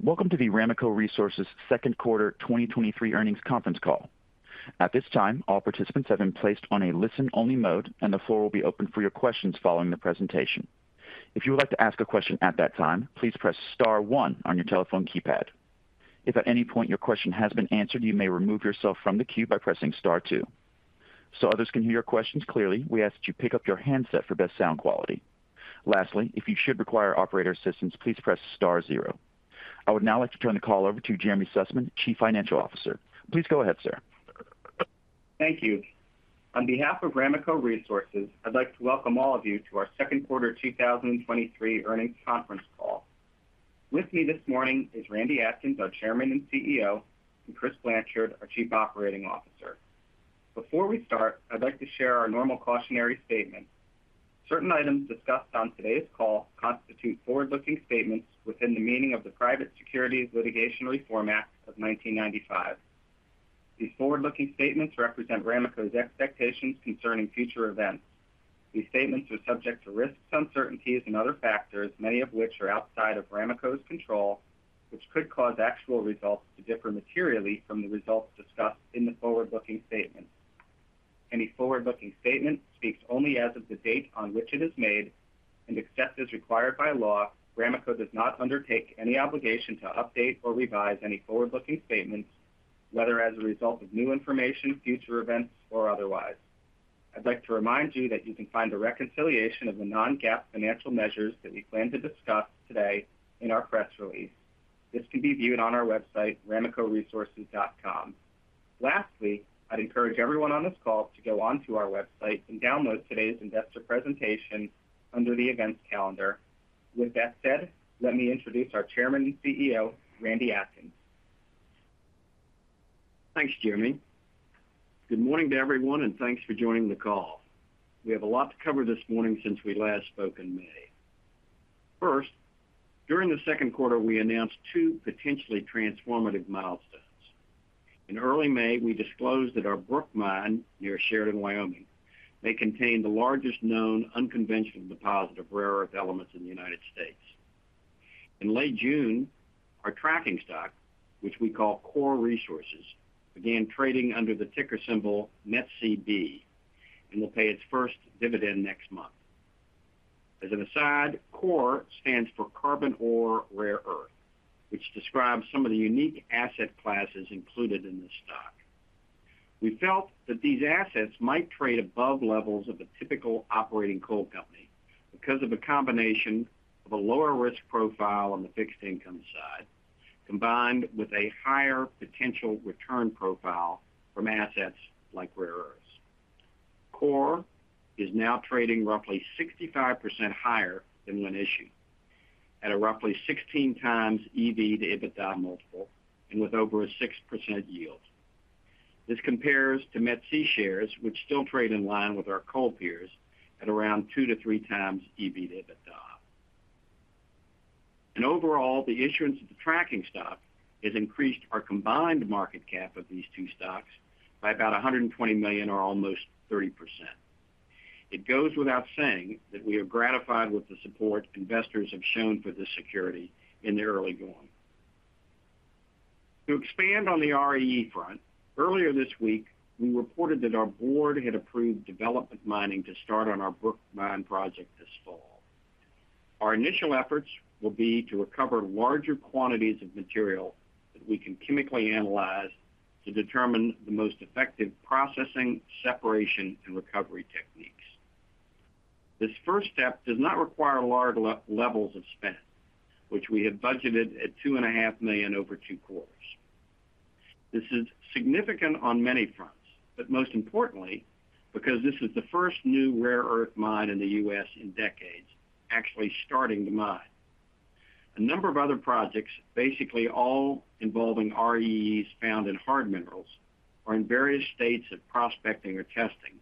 Welcome to the Ramaco Resources Second Quarter 2023 Earnings Conference Call. At this time, all participants have been placed on a listen-only mode, and the floor will be open for your questions following the presentation. If you would like to ask a question at that time, please press star one on your telephone keypad. If at any point your question has been answered, you may remove yourself from the queue by pressing star two. Others can hear your questions clearly, we ask that you pick up your handset for best sound quality. Lastly, if you should require operator assistance, please press star zero. I would now like to turn the call over to Jeremy Sussman, Chief Financial Officer. Please go ahead, sir. Thank you. On behalf of Ramaco Resources, I'd like to welcome all of you to our second quarter 2023 earnings conference call. With me this morning is Randy Atkins, our Chairman and CEO, and Chris Blanchard, our Chief Operating Officer. Before we start, I'd like to share our normal cautionary statement. Certain items discussed on today's call constitute forward-looking statements within the meaning of the Private Securities Litigation Reform Act of 1995. These forward-looking statements represent Ramaco's expectations concerning future events. These statements are subject to risks, uncertainties, and other factors, many of which are outside of Ramaco's control, which could cause actual results to differ materially from the results discussed in the forward-looking statement. Any forward-looking statement speaks only as of the date on which it is made, and except as required by law, Ramaco does not undertake any obligation to update or revise any forward-looking statements, whether as a result of new information, future events, or otherwise. I'd like to remind you that you can find a reconciliation of the non-GAAP financial measures that we plan to discuss today in our press release. This can be viewed on our website, ramacoresources.com. Lastly, I'd encourage everyone on this call to go onto our website and download today's investor presentation under the Events calendar. With that said, let me introduce our Chairman and CEO, Randy Atkins. Thanks, Jeremy. Good morning to everyone, and thanks for joining the call. We have a lot to cover this morning since we last spoke in May. First, during the second quarter, we announced two potentially transformative milestones. In early May, we disclosed that our Brook Mine near Sheridan, Wyoming, may contain the largest known unconventional deposit of rare earth elements in the United States. In late June, our tracking stock, which we call CORE Resources, began trading under the ticker symbol METCB, and will pay its first dividend next month. As an aside, CORE stands for Carbon Ore Rare Earth, which describes some of the unique asset classes included in the stock. We felt that these assets might trade above levels of a typical operating coal company because of a combination of a lower risk profile on the fixed income side, combined with a higher potential return profile from assets like rare earths. CORE is now trading roughly 65% higher than when issued at a roughly 16x EV to EBITDA multiple, and with over a 6% yield. This compares to METC shares, which still trade in line with our coal peers at around 2x-3x EV to EBITDA. Overall, the issuance of the tracking stock has increased our combined market cap of these two stocks by about $120 million or almost 30%. It goes without saying that we are gratified with the support investors have shown for this security in the early going. To expand on the REE front, earlier this week, we reported that our board had approved development mining to start on our Brook Mine project this fall. Our initial efforts will be to recover larger quantities of material that we can chemically analyze to determine the most effective processing, separation, and recovery techniques. This first step does not require large levels of spend, which we have budgeted at $2.5 million over two quarters. This is significant on many fronts, but most importantly, because this is the first new rare earth mine in the U.S. in decades, actually starting to mine. A number of other projects, basically all involving REEs found in hard minerals, are in various states of prospecting or testing,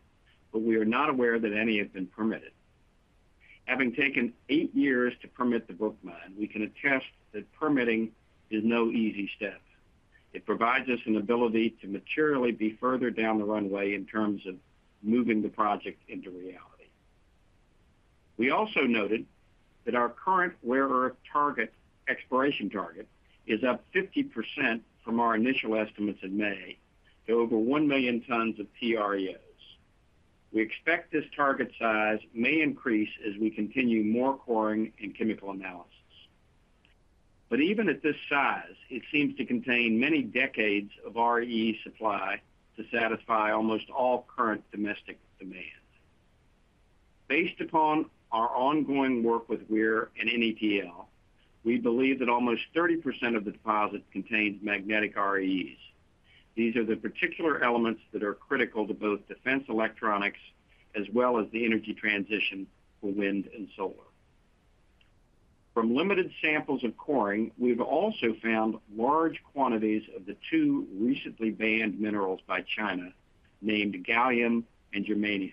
but we are not aware that any have been permitted. Having taken eight years to permit the Brook Mine, we can attest that permitting is no easy step. It provides us an ability to materially be further down the runway in terms of moving the project into reality. We also noted that our current rare earth target, exploration target, is up 50% from our initial estimates in May, to over 1 million tons of TREOs. We expect this target size may increase as we continue more coring and chemical analysis. Even at this size, it seems to contain many decades of REE supply to satisfy almost all current domestic demands. Based upon our ongoing work with Weir and NETL, we believe that almost 30% of the deposit contains magnetic REEs. These are the particular elements that are critical to both defense electronics as well as the energy transition for wind and solar. From limited samples of coring, we've also found large quantities of the two recently banned minerals by China, named gallium and germanium.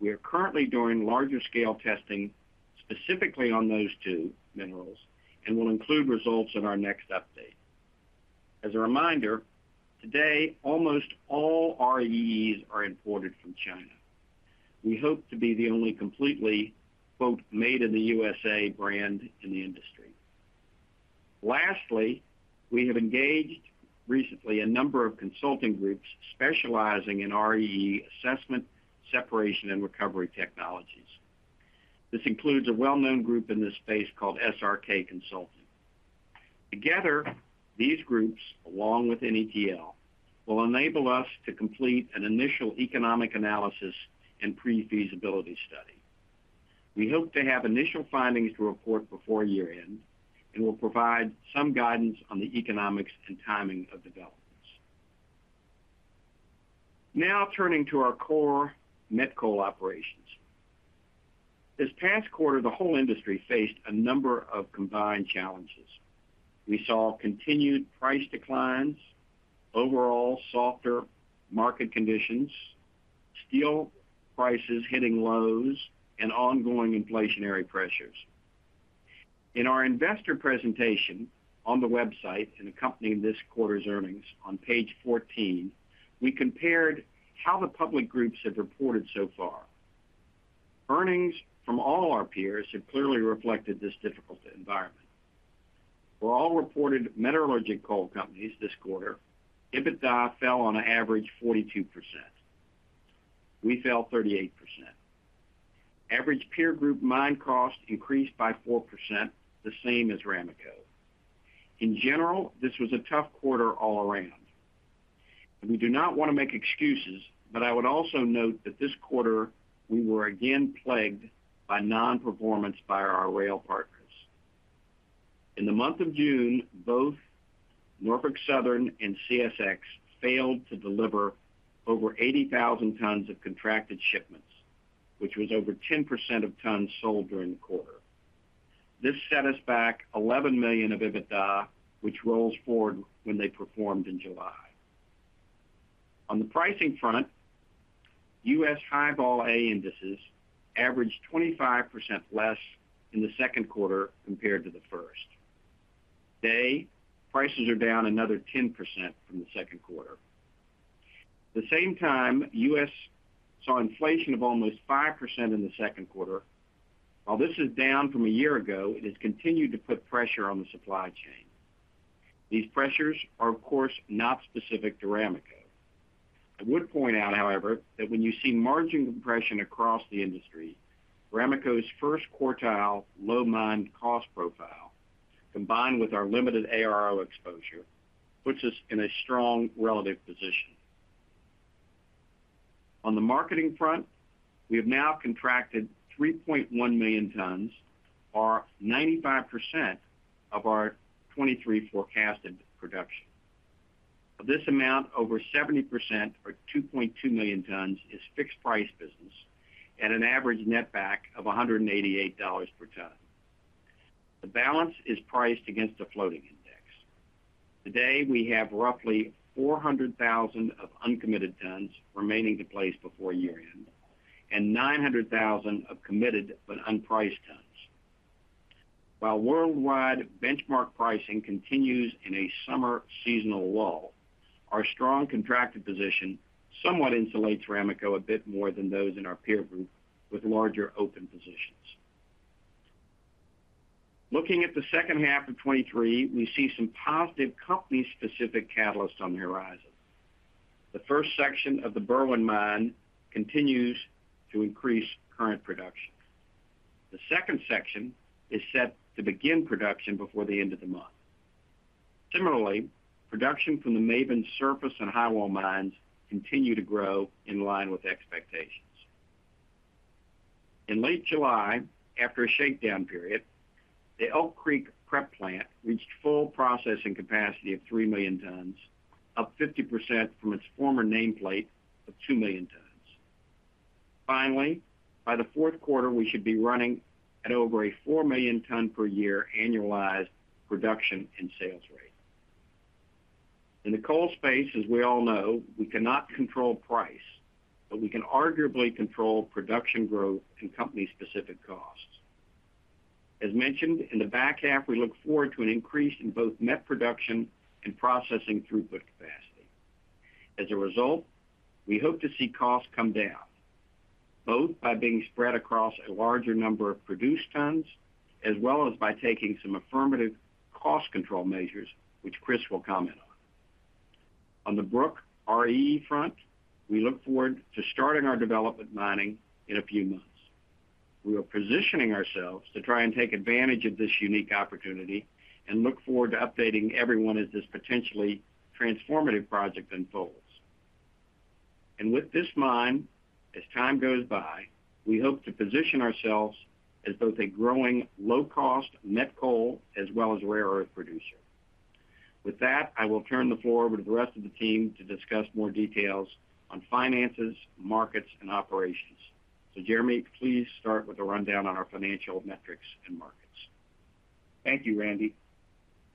We are currently doing larger scale testing, specifically on those two minerals, and will include results in our next update. As a reminder, today, almost all REEs are imported from China. We hope to be the only completely, quote, "Made in the USA" brand in the industry. Lastly, we have engaged recently a number of consulting groups specializing in REE assessment, separation, and recovery technologies. This includes a well-known group in this space called SRK Consulting. Together, these groups, along with NETL, will enable us to complete an initial economic analysis and pre-feasibility study. We hope to have initial findings to report before year-end, and we'll provide some guidance on the economics and timing of developments. Now, turning to our core met coal operations. This past quarter, the whole industry faced a number of combined challenges. We saw continued price declines, overall softer market conditions, steel prices hitting lows, and ongoing inflationary pressures. In our investor presentation on the website and accompanying this quarter's earnings, on page 14, we compared how the public groups have reported so far. Earnings from all our peers have clearly reflected this difficult environment. For all reported metallurgical coal companies this quarter, EBITDA fell on an average 42%. We fell 38%. Average peer group mine cost increased by 4%, the same as Ramaco. In general, this was a tough quarter all around. We do not want to make excuses, but I would also note that this quarter, we were again plagued by non-performance by our rail partners. In the month of June, both Norfolk Southern and CSX failed to deliver over 80,000 tons of contracted shipments, which was over 10% of tons sold during the quarter. This set us back $11 million of EBITDA, which rolls forward when they performed in July. On the pricing front, U.S. High Vol A indices averaged 25% less in the second quarter compared to the first. Today, prices are down another 10% from the second quarter. The same time, the U.S. saw inflation of almost 5% in the second quarter. While this is down from a year ago, it has continued to put pressure on the supply chain. These pressures are, of course, not specific to Ramaco. I would point out, however, that when you see margin compression across the industry, Ramaco's first quartile low mine cost profile, combined with our limited ARO exposure, puts us in a strong relative position. On the marketing front, we have now contracted 3.1 million tons, or 95% of our 2023 forecasted production. Of this amount, over 70% or 2.2 million tons, is fixed price business at an average net back of $188 per ton. The balance is priced against a floating index. Today, we have roughly 400,000 of uncommitted tons remaining to place before year-end, and 900,000 of committed but unpriced tons. While worldwide benchmark pricing continues in a summer seasonal lull, our strong contracted position somewhat insulates Ramaco a bit more than those in our peer group with larger open positions. Looking at the second half of 2023, we see some positive company-specific catalysts on the horizon. The first section of the Berwind mine continues to increase current production. The second section is set to begin production before the end of the month. Similarly, production from the Maven surface and highwall mines continue to grow in line with expectations. In late July, after a shakedown period, the Elk Creek prep plant reached full processing capacity of 3 million tons, up 50% from its former nameplate of 2 million tons. Finally, by the fourth quarter, we should be running at over a 4 million ton per year annualized production and sales rate. In the coal space, as we all know, we cannot control price, but we can arguably control production growth and company-specific costs. As mentioned, in the back half, we look forward to an increase in both net production and processing throughput capacity. As a result, we hope to see costs come down, both by being spread across a larger number of produced tons, as well as by taking some affirmative cost control measures, which Chris will comment on. On the Brook REE front, we look forward to starting our development mining in a few months. We are positioning ourselves to try and take advantage of this unique opportunity and look forward to updating everyone as this potentially transformative project unfolds. With this mine, as time goes by, we hope to position ourselves as both a growing low-cost met coal as well as rare earth producer. With that, I will turn the floor over to the rest of the team to discuss more details on finances, markets, and operations. Jeremy, please start with a rundown on our financial metrics and markets. Thank you, Randy.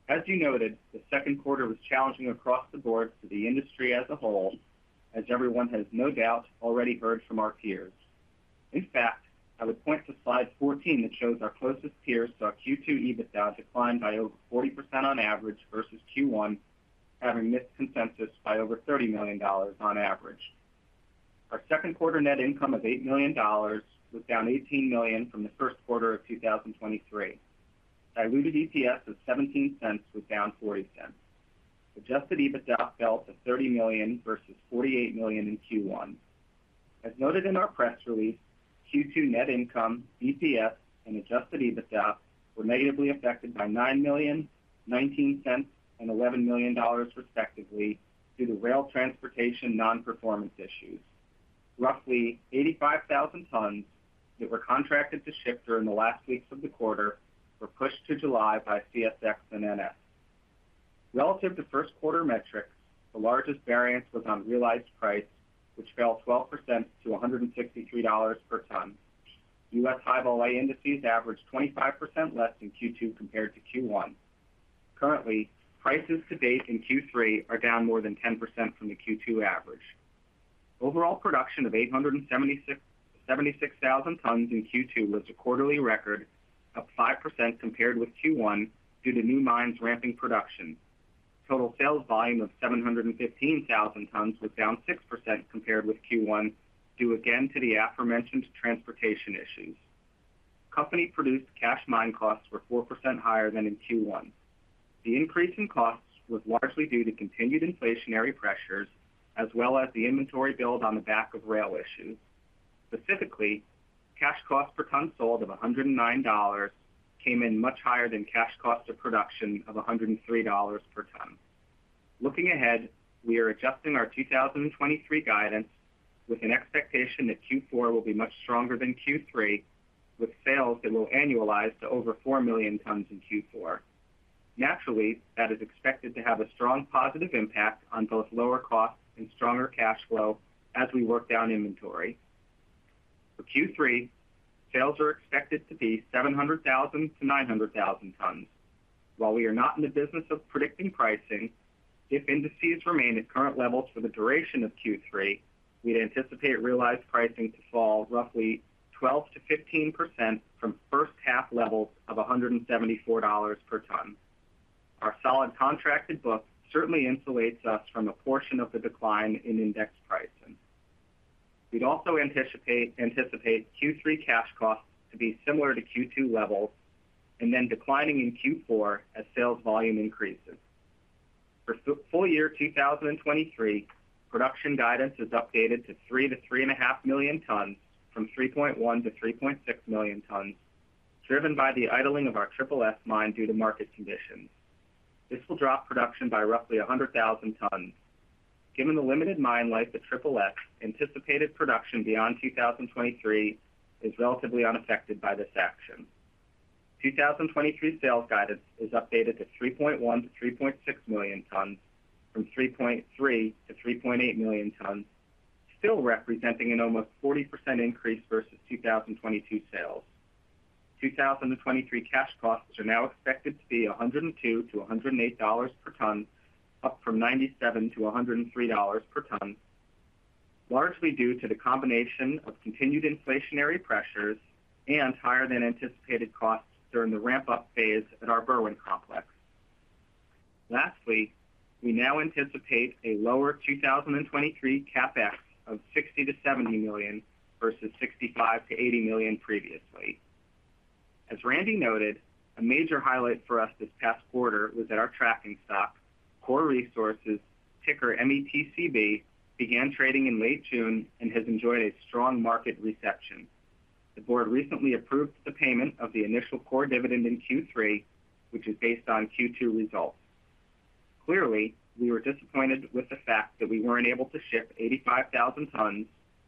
As you noted, the second quarter was challenging across the board for the industry as a whole, as everyone has no doubt already heard from our peers. In fact, I would point to slide 14 that shows our closest peers, saw Q2 EBITDA declined by over 40% on average versus Q1, having missed consensus by over $30 million on average. Our second quarter net income of $8 million was down $18 million from the first quarter of 2023. Diluted EPS of $0.17 was down $0.40. Adjusted EBITDA fell to $30 million versus $48 million in Q1. As noted in our press release, Q2 net income, EPS, and Adjusted EBITDA were negatively affected by $9 million, $0.19, and $11 million, respectively, due to rail transportation non-performance issues. Roughly 85,000 tons that were contracted to ship during the last weeks of the quarter, were pushed to July by CSX and NS. Relative to first quarter metrics, the largest variance was on realized price, which fell 12% to $163 per ton. U.S. High-Vol indices averaged 25% less in Q2 compared to Q1. Currently, prices to date in Q3 are down more than 10% from the Q2 average. Overall production of 876,000 tons in Q2, was a quarterly record, up 5% compared with Q1, due to new mines ramping production. Total sales volume of 715,000 tons was down 6% compared with Q1, due again to the aforementioned transportation issues. Company-produced cash mine costs were 4% higher than in Q1. The increase in costs was largely due to continued inflationary pressures, as well as the inventory build on the back of rail issues. Specifically, cash cost per ton sold of $109, came in much higher than cash cost of production of $103 per ton. Looking ahead, we are adjusting our 2023 guidance, with an expectation that Q4 will be much stronger than Q3, with sales that will annualize to over 4 million tons in Q4. Naturally, that is expected to have a strong positive impact on both lower costs and stronger cash flow as we work down inventory. For Q3, sales are expected to be 700,000-900,000 tons. While we are not in the business of predicting pricing, if indices remain at current levels for the duration of Q3, we'd anticipate realized pricing to fall roughly 12%-15% from first half levels of $174 per ton. Our solid contracted book certainly insulates us from a portion of the decline in index pricing. We'd also anticipate Q3 cash costs to be similar to Q2 levels, and then declining in Q4 as sales volume increases. For full year 2023, production guidance is updated to 3 million-3.5 million tons, from 3.1 million-3.6 million tons, driven by the idling of our Triple S mine due to market conditions. This will drop production by roughly 100,000 tons. Given the limited mine life of Triple S, anticipated production beyond 2023 is relatively unaffected by this action. 2023 sales guidance is updated to 3.1 million-3.6 million tons, from 3.3 million-3.8 million tons, still representing an almost 40% increase versus 2022 sales. 2023 cash costs are now expected to be $102-$108 per ton, up from $97-$103 per ton, largely due to the combination of continued inflationary pressures and higher than anticipated costs during the ramp-up phase at our Berwind complex. Lastly, we now anticipate a lower 2023 CapEx of $60 million-$70 million, versus $65 million-$80 million previously. As Randy noted, a major highlight for us this past quarter was that our tracking stock, CORE Resources, ticker METCB, began trading in late June and has enjoyed a strong market reception. The board recently approved the payment of the initial CORE dividend in Q3, which is based on Q2 results. Clearly, we were disappointed with the fact that we weren't able to ship 85,000 tons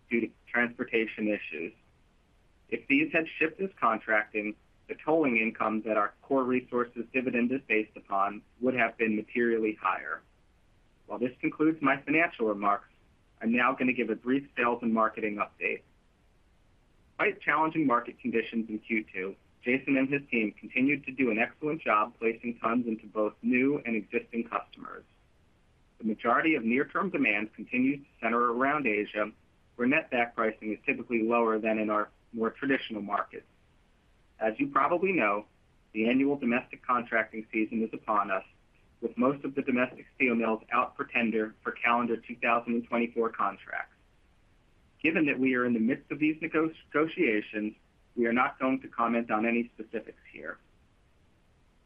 due to transportation issues. If these had shipped as contracted, the tolling income that our CORE Resources dividend is based upon, would have been materially higher. While this concludes my financial remarks, I'm now going to give a brief sales and marketing update. Quite challenging market conditions in Q2, Jason and his team continued to do an excellent job placing tons into both new and existing customers. The majority of near-term demand continued to center around Asia, where net back pricing is typically lower than in our more traditional markets. As you probably know, the annual domestic contracting season is upon us, with most of the domestic steel mills out for tender for calendar 2024 contracts. Given that we are in the midst of these negotiations, we are not going to comment on any specifics here.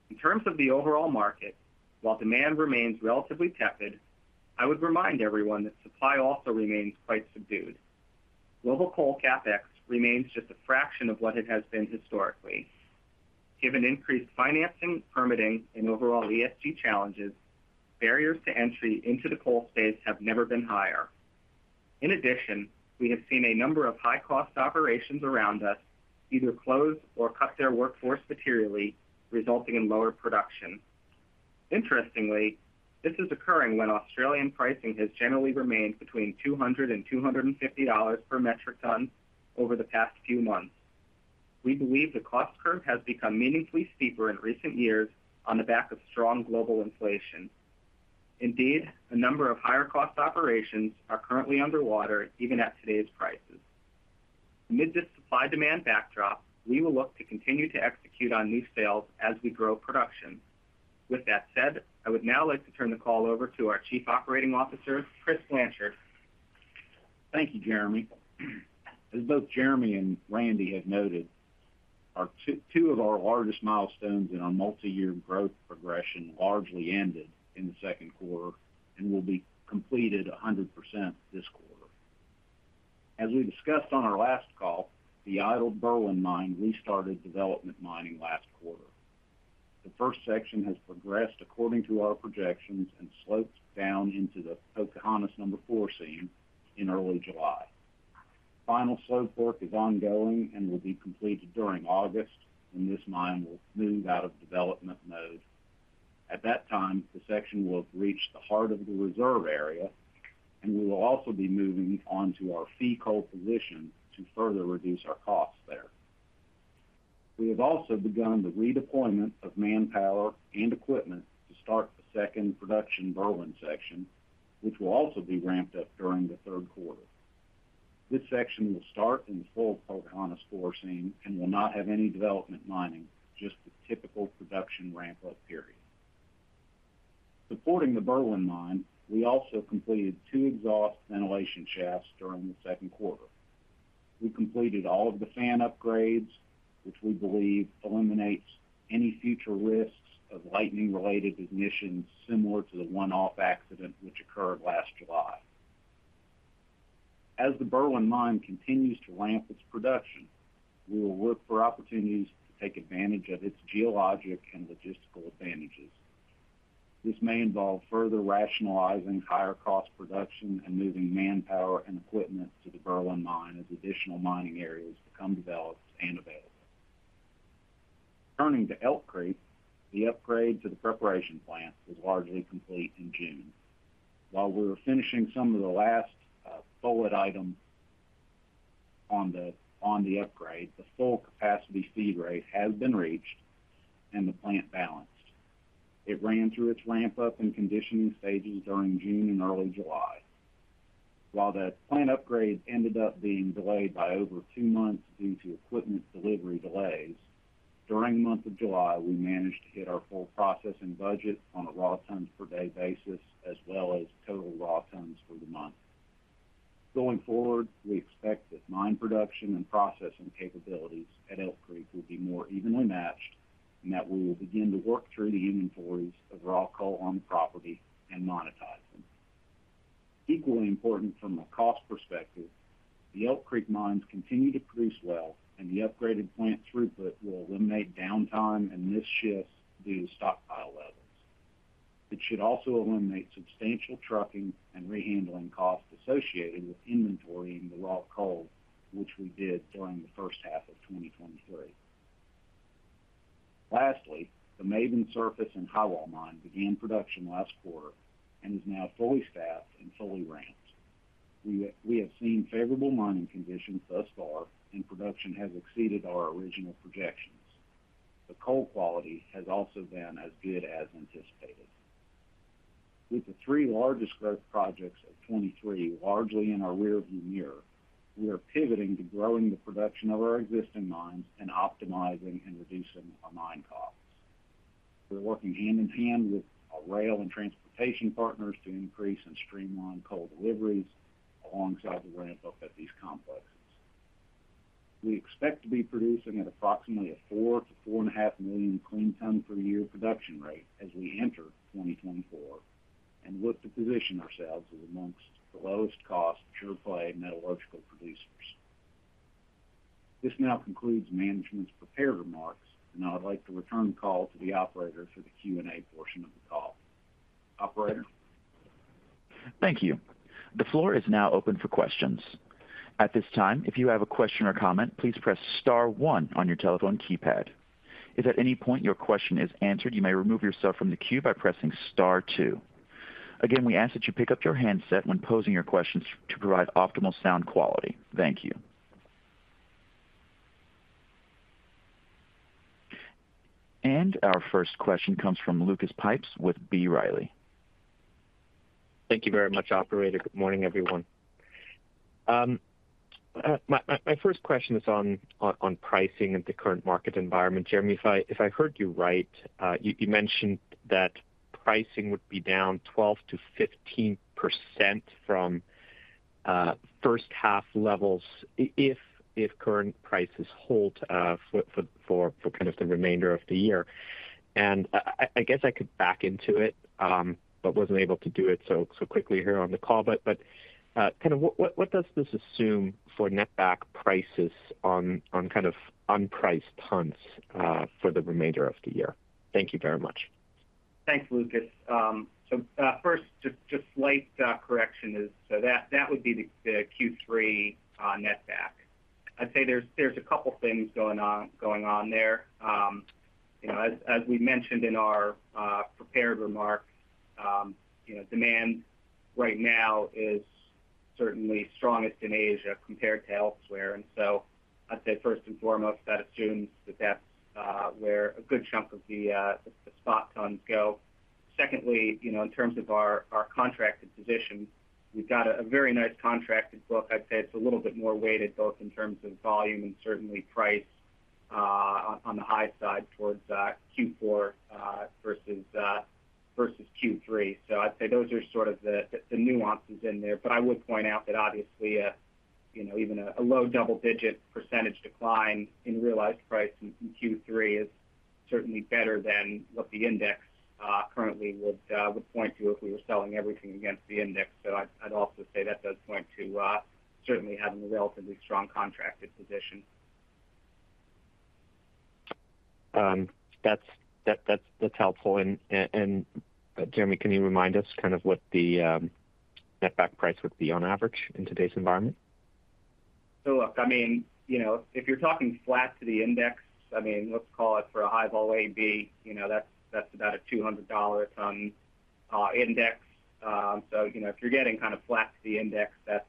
In terms of the overall market, while demand remains relatively tepid, I would remind everyone that supply also remains quite subdued. Global coal CapEx remains just a fraction of what it has been historically. Given increased financing, permitting, and overall ESG challenges, barriers to entry into the coal space have never been higher. In addition, we have seen a number of high-cost operations around us, either close or cut their workforce materially, resulting in lower production. Interestingly, this is occurring when Australian pricing has generally remained between $200-$250 per metric ton over the past few months. We believe the cost curve has become meaningfully steeper in recent years on the back of strong global inflation. Indeed, a number of higher cost operations are currently underwater, even at today's prices. Amid this supply-demand backdrop, we will look to continue to execute on these sales as we grow production. With that said, I would now like to turn the call over to our Chief Operating Officer, Chris Blanchard. Thank you, Jeremy. As both Jeremy and Randy have noted, our two of our largest milestones in our multi-year growth progression largely ended in the second quarter and will be completed 100% this quarter. As we discussed on our last call, the idled Berwind mine restarted development mining last quarter. The first section has progressed according to our projections and sloped down into the Pocahontas No. 4 Seam in early July. Final slope work is ongoing and will be completed during August, and this mine will move out of development mode. At that time, the section will have reached the heart of the reserve area, and we will also be moving on to our fee coal position to further reduce our costs there. We have also begun the redeployment of manpower and equipment to start the second production Berwind section, which will also be ramped up during the third quarter. This section will start in the full Pocahontas No. 4 Seam and will not have any development mining, just the typical production ramp-up period. Supporting the Berwind mine, we also completed two exhaust ventilation shafts during the second quarter. We completed all of the fan upgrades, which we believe eliminates any future risks of lightning-related ignition, similar to the one-off accident which occurred last July. As the Berwind mine continues to ramp its production, we will look for opportunities to take advantage of its geologic and logistical advantages. This may involve further rationalizing higher cost production and moving manpower and equipment to the Berwind mine as additional mining areas become developed and available. Turning to Elk Creek, the upgrade to the preparation plant was largely complete in June. While we were finishing some of the last bullet items on the, on the upgrade, the full capacity feed rate has been reached and the plant balanced. It ran through its ramp-up and conditioning stages during June and early July. While the plant upgrade ended up being delayed by over two months due to equipment delivery delays, during the month of July, we managed to hit our full processing budget on a raw tons per day basis, as well as total raw tons for the month. Going forward, we expect that mine production and processing capabilities at Elk Creek will be more evenly matched, and that we will begin to work through the inventories of raw coal on the property and monetize them. Equally important from a cost perspective, the Elk Creek mines continue to produce well, and the upgraded plant throughput will eliminate downtime and missed shifts due to stockpile levels. It should also eliminate substantial trucking and rehandling costs associated with inventorying the raw coal, which we did during the first half of 2023. Lastly, the Maven surface and Highwall mine began production last quarter and is now fully staffed and fully ramped. We have seen favorable mining conditions thus far, and production has exceeded our original projections. The coal quality has also been as good as anticipated. With the three largest growth projects of 23 largely in our rearview mirror, we are pivoting to growing the production of our existing mines and optimizing and reducing our mine costs. We're working hand-in-hand with our rail and transportation partners to increase and streamline coal deliveries alongside the ramp-up at these complexes. We expect to be producing at approximately a 4 million to 4.5 million clean ton per year production rate as we enter 2024, and look to position ourselves as amongst the lowest cost, pure-play metallurgical producers. This now concludes management's prepared remarks, and now I'd like to return the call to the operator for the Q&A portion of the call. Operator? Thank you. The floor is now open for questions. At this time, if you have a question or comment, please press star one on your telephone keypad. If at any point your question is answered, you may remove yourself from the queue by pressing star two. Again, we ask that you pick up your handset when posing your questions to provide optimal sound quality. Thank you. Our first question comes from Lucas Pipes with B. Riley. Thank you very much, operator. Good morning, everyone. My first question is on pricing and the current market environment. Jeremy, if I heard you right, you mentioned that pricing would be down 12%-15% from first half levels, if current prices hold for kind of the remainder of the year. I guess I could back into it, but wasn't able to do it so quickly here on the call. What does this assume for net back prices on kind of unpriced tons for the remainder of the year? Thank you very much. Thanks, Lucas. First, just, just slight, correction is, so that, that would be the, the Q3, net back. I'd say there's, there's a couple things going on, going on there. You know, as, as we mentioned in our, prepared remarks, you know, demand right now certainly strongest in Asia compared to elsewhere. I'd say first and foremost, that assumes that that's, where a good chunk of the, the spot tons go. Secondly, you know, in terms of our, our contracted position, we've got a, a very nice contracted book. I'd say it's a little bit more weighted, both in terms of volume and certainly price, on, on the high side towards, Q4, versus, versus Q3. I'd say those are sort of the, the, the nuances in there. I would point out that obviously, you know, even a low double-digit % decline in realized price in Q3 is certainly better than what the index currently would point to if we were selling everything against the index. I'd, I'd also say that does point to certainly having a relatively strong contracted position. That's helpful. Jeremy, can you remind us kind of what the net back price would be on average in today's environment? Look, I mean, you know, if you're talking flat to the index, I mean, let's call it for a High-Vol A/B, you know, that's, that's about a $200 ton index. You know, if you're getting kind of flat to the index, that's,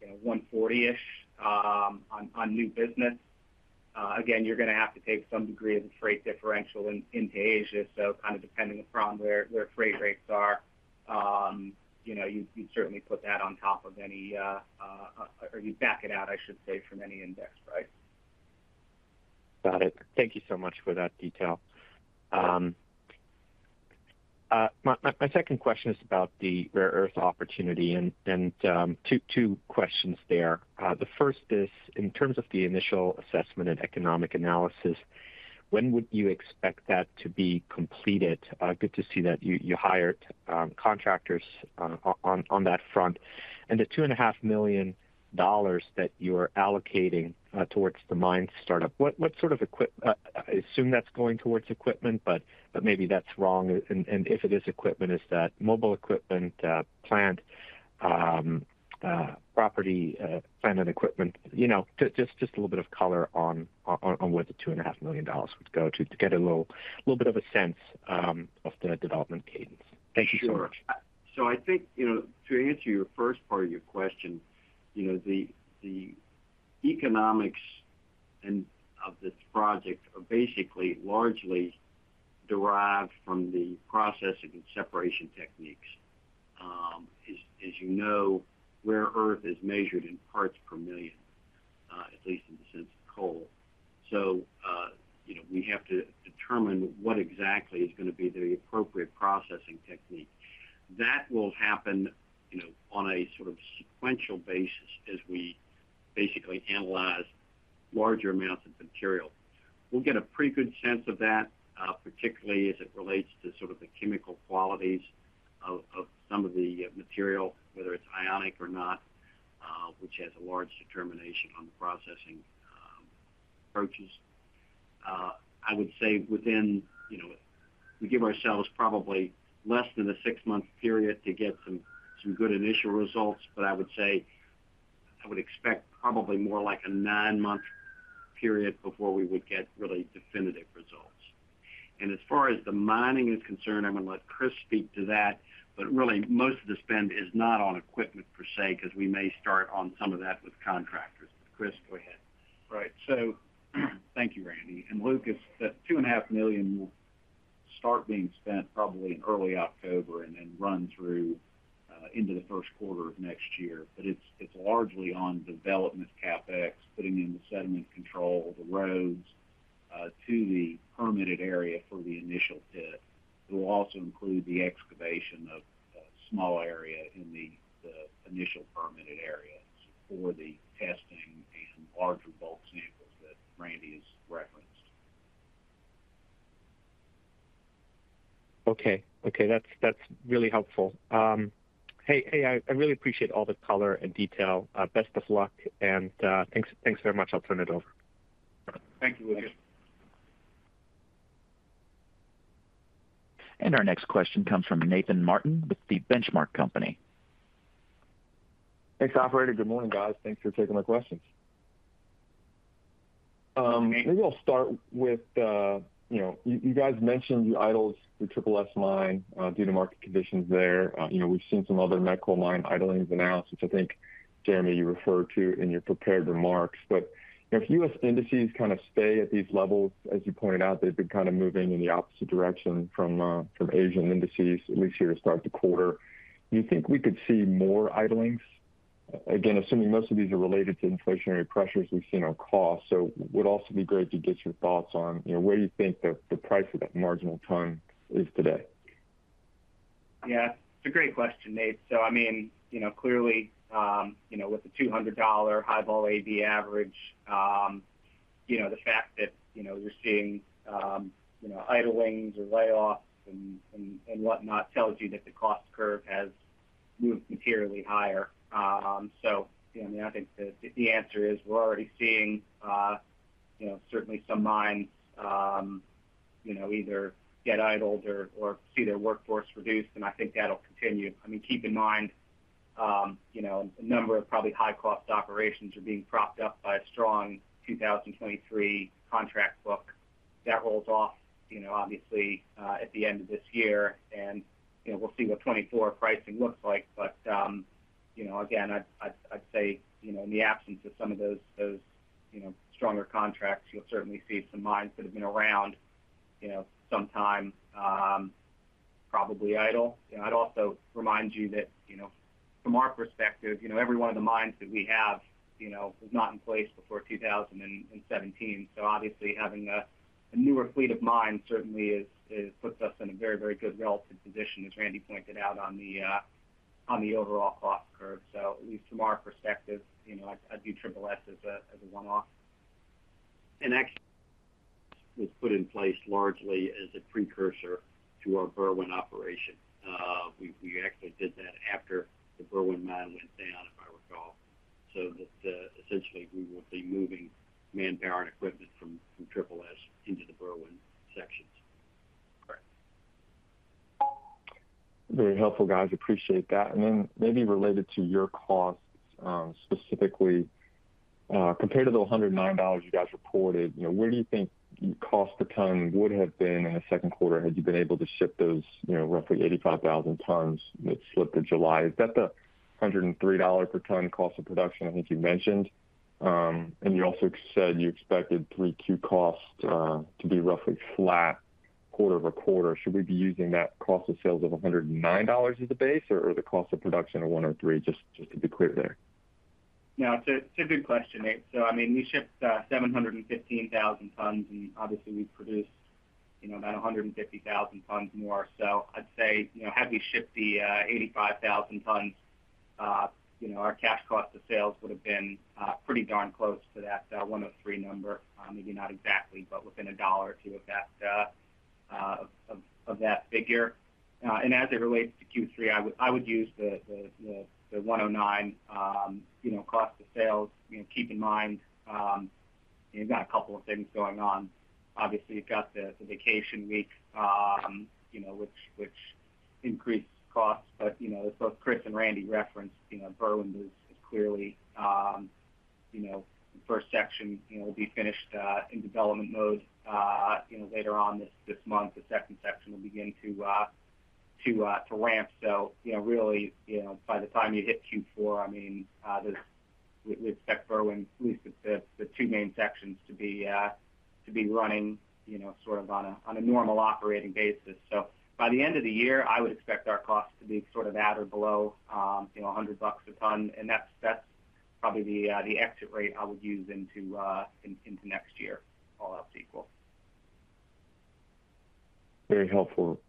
you know, $140-ish on new business. Again, you're gonna have to take some degree of the freight differential in, into Asia. Kind of depending upon where, where freight rates are, you know, you'd, you'd certainly put that on top of any. Or you back it out, I should say, from any index price. Got it. Thank you so much for that detail. My second question is about the rare earth opportunity, two questions there. The first is, in terms of the initial assessment and economic analysis, when would you expect that to be completed? Good to see that you, you hired contractors on that front. The $2.5 million that you are allocating towards the mine startup, what sort of I assume that's going towards equipment, but maybe that's wrong. If it is equipment, is that mobile equipment, plant, property, plant and equipment? You know, just, just a little bit of color on, on, on where the $2.5 million would go to, to get a little, little bit of a sense of the development cadence. Thank you so much. Sure. I think, you know, to answer your first part of your question, you know, the economics of this project are basically largely derived from the processing and separation techniques. As you know, Rare Earth is measured in parts per million, at least in the sense of coal. You know, we have to determine what exactly is gonna be the appropriate processing technique. That will happen, you know, on a sort of sequential basis as we basically analyze larger amounts of material. We'll get a pretty good sense of that, particularly as it relates to sort of the chemical qualities of some of the material, whether it's ionic or not, which has a large determination on the processing approaches. I would say within, you know, we give ourselves probably less than a six-month period to get some, some good initial results, but I would say I would expect probably more like a nine-month period before we would get really definitive results. As far as the mining is concerned, I'm gonna let Chris speak to that, but really, most of the spend is not on equipment per se, because we may start on some of that with contractors. Chris, go ahead. Right. Thank you, Randy. Luke, it's that $2.5 million will start being spent probably in early October and then run through into the first quarter of next year. It's, it's largely on development CapEx, putting in the sediment control, the roads to the permitted area for the initial pit. It will also include the excavation of a small area in the initial permitted areas for the testing and larger bulk samples that Randy has referenced. Okay. Okay, that's, that's really helpful. Hey, hey, I, I really appreciate all the color and detail. Best of luck, and, thanks, thanks very much. I'll turn it over. Thank you, Luke. Our next question comes from Nathan Martin with The Benchmark Company. Thanks, operator. Good morning, guys. Thanks for taking my questions. Maybe I'll start with, you guys mentioned you idled the Triple S mine due to market conditions there. We've seen some other nickel mine idling announced, which I think, Jeremy, you referred to in your prepared remarks. If U.S. indices kind of stay at these levels, as you pointed out, they've been kind of moving in the opposite direction from Asian indices, at least here to start the quarter. Do you think we could see more idlings? Again, assuming most of these are related to inflationary pressures we've seen on cost. Would also be great to get your thoughts on where you think the price of that marginal ton is today. Yeah, it's a great question, Nate. I mean, you know, clearly, you know, with the $200 High-Vol A/B average, you know, the fact that, you know, you're seeing, you know, idlings or layoffs and, and, and whatnot, tells you that the cost curve has moved materially higher. You know, I think the, the answer is we're already seeing, you know, certainly some mines, you know, either get idled or, or see their workforce reduced, and I think that'll continue. I mean, keep in mind, you know, a number of probably high-cost operations are being propped up by a strong 2023 contract book. That rolls off, you know, obviously, at the end of this year, and, you know, we'll see what 2024 pricing looks like. You know, again, I'd say, you know, in the absence of some of those, those, you know, stronger contracts, you'll certainly see some mines that have been around, you know, some time, probably idle. I'd also remind you that, you know, from our perspective, you know, every one of the mines that we have, you know, was not in place before 2017. Obviously, having a, a newer fleet of mines certainly is, is, puts us in a very, very good relative position, as Randy pointed out, on the overall cost curve. At least from our perspective, you know, I, I'd view Triple S as a, as a one-off. Actually, was put in place largely as a precursor to our Berwind operation. We, we actually did that after the Berwind mine went down, if I recall. That, essentially, we would be moving manpower and equipment from, from Triple S into the Berwind sections. Correct. Very helpful, guys. Appreciate that. Maybe related to your costs, specifically, compared to the $109 you guys reported, you know, where do you think cost per ton would have been in the second quarter, had you been able to ship those, you know, roughly 85,000 tons that slipped in July? Is that the $103 per ton cost of production I think you mentioned? You also said you expected 3Q costs to be roughly flat quarter-over-quarter. Should we be using that cost of sales of $109 as a base, or the cost of production of $103? Just, just to be clear there. Yeah, it's a good question, Nate. I mean, we shipped 715,000 tons, and obviously we produced, you know, about 150,000 tons more. I'd say, you know, had we shipped the 85,000 tons, you know, our cash cost of sales would have been pretty darn close to that $103 number. Maybe not exactly, but within $1 or $2 of that figure. And as it relates to Q3, I would use the $109, you know, cost of sales. You know, keep in mind, you've got a couple of things going on. Obviously, you've got the vacation week, you know, which increases costs. You know, as both Chris and Randy referenced, you know, Berwind is clearly, you know, the first section, you know, will be finished in development mode, you know, later on this, this month. The second section will begin to to to ramp. You know, really, you know, by the time you hit Q4, I mean, we, we expect Berwind, at least the, the, the two main sections to be to be running, you know, sort of on a, on a normal operating basis. By the end of the year, I would expect our costs to be sort of at or below, you know, $100 a ton. That's, that's probably the, the exit rate I would use into into next year, all else equal. Very helpful,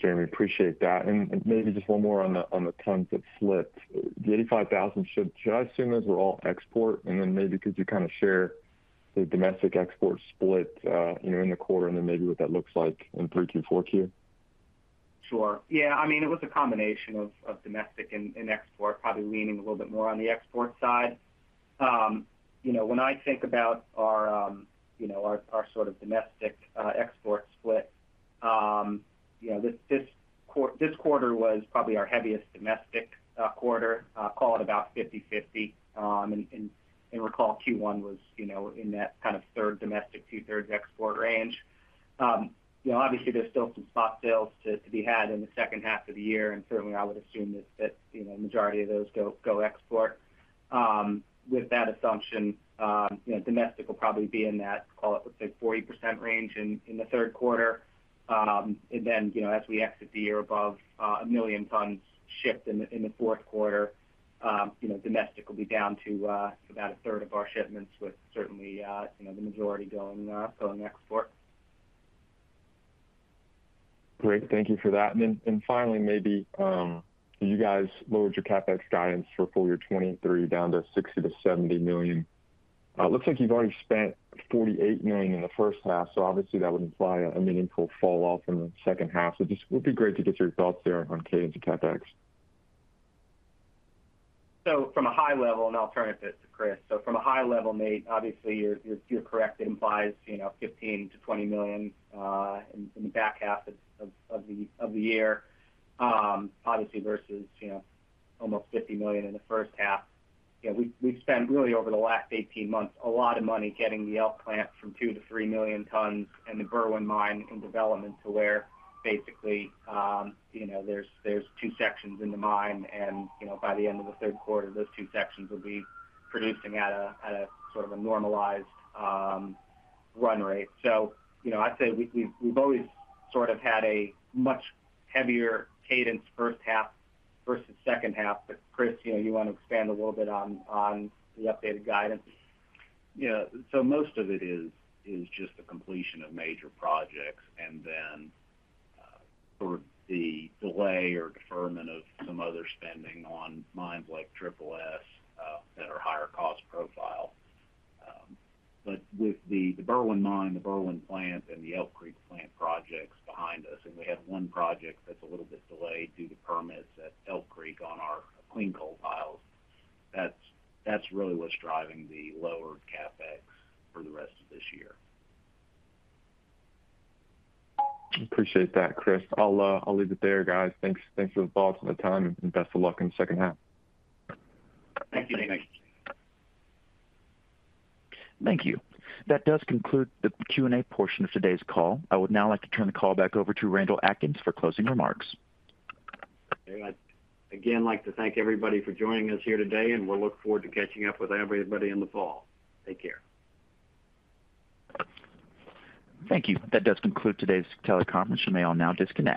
Jeremy, appreciate that. Maybe just one more on the, on the tons that slipped. The 85,000 shipped, should I assume those were all export? Then maybe could you kind of share the domestic export split, you know, in the quarter, and then maybe what that looks like in 3Q, 4Q? Sure. Yeah, I mean, it was a combination of domestic and export, probably leaning a little bit more on the export side. You know, when I think about our, you know, our, our sort of domestic export split, you know, this quarter was probably our heaviest domestic quarter, call it about 50/50. Recall Q1 was, you know, in that kind of 1/3 domestic, 2/3 export range. You know, obviously there's still some spot sales to be had in the second half of the year, and certainly I would assume that, that, you know, majority of those go, go export. With that assumption, you know, domestic will probably be in that, call it, let's say, 40% range in the third quarter. Then, you know, as we exit the year above, 1 million tons shipped in the fourth quarter, you know, domestic will be down to, about a third of our shipments, with certainly, you know, the majority going, going export. Great. Thank you for that. Then, finally, maybe, you guys lowered your CapEx guidance for full year 2023 down to $60 million-$70 million. Looks like you've already spent $48 million in the first half, obviously that would imply a meaningful fall off in the second half. Just would be great to get your thoughts there on cadence of CapEx. From a high level, and I'll turn it to, to Chris. From a high level, Nate, obviously, you're, you're, you're correct. It implies, you know, $15 million-$20 million in, in the back half of, of, of the, of the year. Obviously, versus, you know, almost $50 million in the first half. You know, we've, we've spent really over the last 18 months, a lot of money getting the Elk plant from 2 million-3 million tons and the Berwind mine in development to where basically, you know, there's, there's two sections in the mine, and, you know, by the end of the third quarter, those two sections will be producing at a, at a sort of a normalized run rate. You know, I'd say we've, we've, we've always sort of had a much heavier cadence first half versus second half. Chris, you know, you want to expand a little bit on, on the updated guidance? Yeah. Most of it is, is just the completion of major projects, and then, sort of the delay or deferment of some other spending on mines like Triple S, that are higher cost profile. With the, the Berwind mine, the Berwind plant, and the Elk Creek plant projects behind us, and we have one project that's a little bit delayed due to permits at Elk Creek on our clean coal piles. That's, that's really what's driving the lower CapEx for the rest of this year. Appreciate that, Chris. I'll leave it there, guys. Thanks, thanks for the thoughts and the time, and best of luck in the second half. Thank you, Nate. Thank you. That does conclude the Q&A portion of today's call. I would now like to turn the call back over to Randall Atkins for closing remarks. I'd, again, like to thank everybody for joining us here today, and we'll look forward to catching up with everybody in the fall. Take care. Thank you. That does conclude today's teleconference. You may all now disconnect.